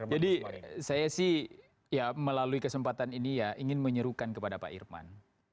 jadi saya sih ya melalui kesempatan ini ya ingin menyerukan kepada pak irman